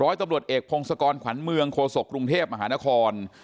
ร้อยตำรวจเอกพงศกรขวัญเมืองโคศกกรุงเทพมหานคร